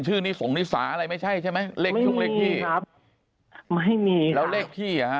ชื่อนี่สงฤษาอะไรไม่ใช่ใช่ไหมไม่มีครับไม่มีแล้วเลขที่อ่ะ